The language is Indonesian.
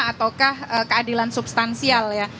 ataukah keadilan substansial ya